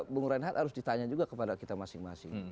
bung reinhardt harus ditanya juga kepada kita masing masing